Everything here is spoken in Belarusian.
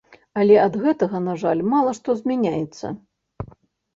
Але ад гэтага, на жаль, мала што змяняецца.